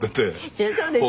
そりゃそうですよね。